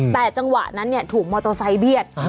แต่จังหวะนั้นถูกมอเตอร์ไซค์เบียด